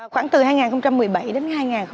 khoảng từ hai nghìn một mươi bảy đến hai nghìn hai mươi